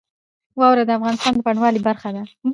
واوره د افغانستان د بڼوالۍ برخه ده.